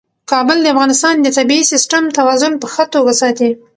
کابل د افغانستان د طبعي سیسټم توازن په ښه توګه ساتي.